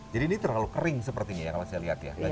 jadi ini terlalu kering sepertinya kalau saya lihat ya